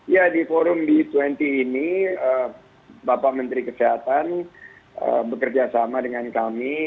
ya di forum b dua puluh ini bapak menteri kesehatan bekerjasama dengan kami